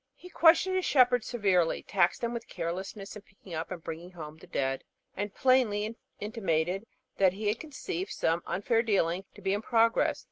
He questioned his shepherds severely, taxed them with carelessness in picking up and bringing home the dead, and plainly intimated that he conceived some unfair dealing to be in progress.